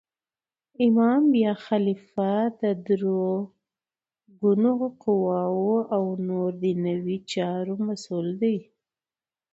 امام یا خلیفه د درو ګونو قوواو او نور دنیوي چارو مسول دی.